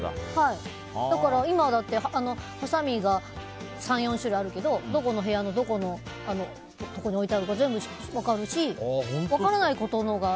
今だってはさみが３４種類あるけどどこの部屋のどこのところに置いてあるか全部分かるし分からないことのほうが。